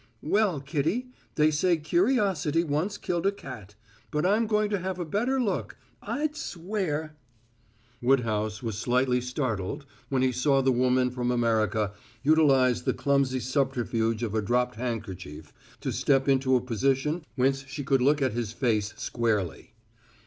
"Well, Kitty, they say curiosity once killed a cat; but I'm going to have a better look. I'd swear " Woodhouse was slightly startled when he saw the woman from America utilize the clumsy subterfuge of a dropped handkerchief to step into a position whence she could look at his face squarely.